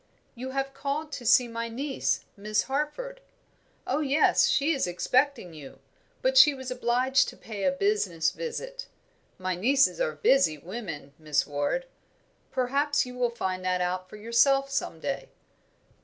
"You have called to see my niece, Miss Harford oh yes, she is expecting you, but she was obliged to pay a business visit; my nieces are busy women, Miss Ward perhaps you will find that out for yourself some day."